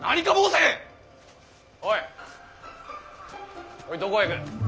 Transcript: おいおいどこへ行く？